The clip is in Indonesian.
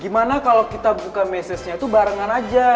gimana kalo kita buka mesesnya tuh barengan aja